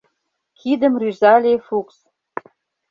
— кидым рӱзале Фукс.